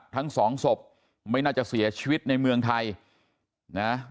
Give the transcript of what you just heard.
ทั้งสองศพไม่น่าจะเสียชีวิตในเมืองไทยนะ